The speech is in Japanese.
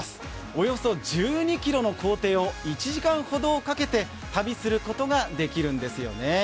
およそ１２ｋｍの行程を１時間ほどかけて楽しむことができるんですよね。